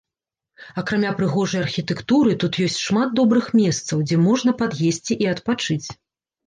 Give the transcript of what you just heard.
Акрамя прыгожай архітэктуры тут ёсць шмат добрых месцаў, дзе можна пад'есці і адпачыць.